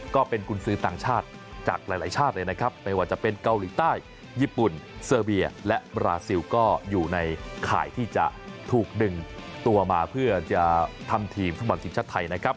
กุญสือต่างชาติจากหลายชาติเลยนะครับไม่ว่าจะเป็นเกาหลีใต้ญี่ปุ่นเซอร์เบียและบราซิลก็อยู่ในข่ายที่จะถูกดึงตัวมาเพื่อจะทำทีมฟุตบอลทีมชาติไทยนะครับ